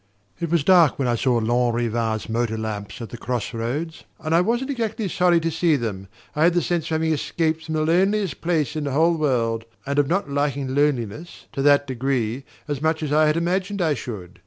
It was dark when I saw Lanrivain's motor lamps at the cross roads and I wasn't exactly sorry to see them. I had the sense of having escaped from the loneliest place in the whole world, and of not liking loneliness to that degree as much as I had imagined I should.